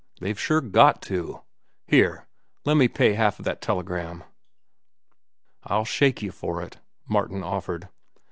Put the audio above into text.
They've sure got to. Here, lemme pay half of that telegram." "I'll shake you for it," Martin offered.